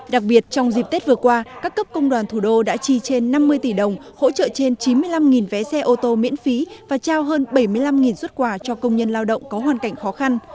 đặc biệt trong dịp tết vừa qua các cấp công đoàn thủ đô đã chi trên năm mươi tỷ đồng hỗ trợ trên chín mươi năm vé xe ô tô miễn phí và trao hơn bảy mươi năm xuất quà cho công nhân lao động có hoàn cảnh khó khăn